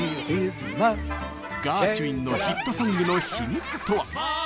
ガーシュウィンのヒットソングの秘密とは？